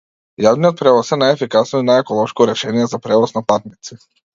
Јавниот превоз е најефикасно и најеколошко решение за превоз на патници.